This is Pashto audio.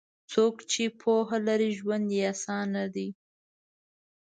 څوک چې پوهه لري، ژوند یې اسانه دی.